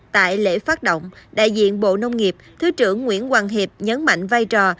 tại lễ phát động đại diện bộ nông nghiệp thứ trưởng nguyễn hoàng hiệp nhấn mạnh vai trò